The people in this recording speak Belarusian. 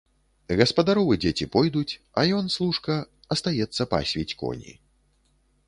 Гаспадаровы дзеці пойдуць, а ён, служка, астаецца пасвіць коні.